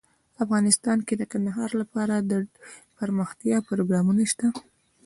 افغانستان کې د کندهار لپاره دپرمختیا پروګرامونه شته.